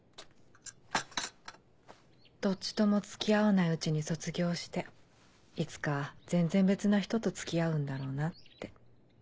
どっちとも付き合わないうちに卒業していつか全然別な人と付き合うんだろうなって。